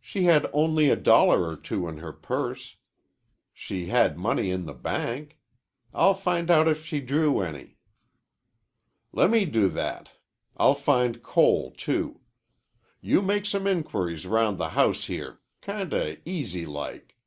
"She had only a dollar or two in her purse. She had money in the bank. I'll find out if she drew any." "Lemme do that. I'll find Cole, too. You make some inquiries round the house here, kinda easy like.